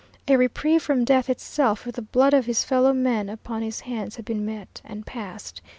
A reprieve from death itself or the blood of his fellow man upon his hands had been met and passed.